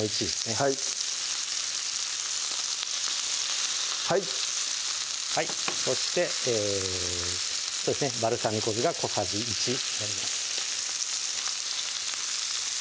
はいはいそしてバルサミコ酢が小さじ１になります